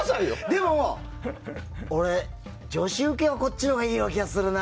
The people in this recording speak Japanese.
でも俺、女子受けはこっちのほうがいい気がするな。